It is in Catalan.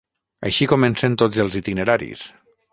Així comencen tots els itineraris.